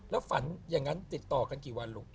แล้วฝันอย่างนั้นติดต่อกันกี่วันลูก